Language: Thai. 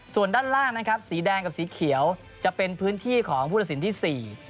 ส่วนด้านล่างนะครับสีแดงกับสีเขียวจะเป็นพื้นที่ของผู้ตัดสินที่๔